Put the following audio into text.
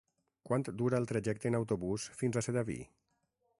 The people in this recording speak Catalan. Quant dura el trajecte en autobús fins a Sedaví?